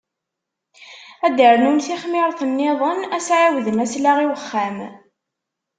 Ad d-rnun tixmirt-nniḍen, ad s-ɛiwden aslaɣ i uxxam.